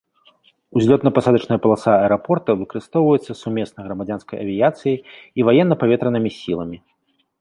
Узлётна-пасадачная паласа аэрапорта выкарыстоўваецца сумесна грамадзянскай авіяцыяй і ваенна-паветранымі сіламі.